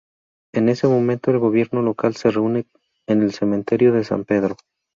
En ese momento el gobierno local se reúne en el cementerio de San Pedro.